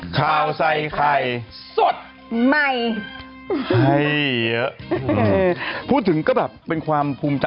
ข่าวใส่ไข่สดใหม่ให้เยอะพูดถึงก็แบบเป็นความภูมิใจ